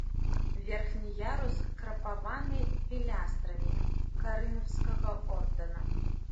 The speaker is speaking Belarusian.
Верхні ярус крапаваны пілястрамі карынфскага ордара.